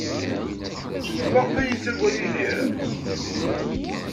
Maɣef ay iyi-yettaggad Yidir?